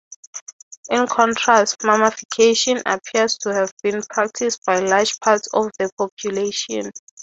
In contrast, mummification appears to have been practised by large parts of the population.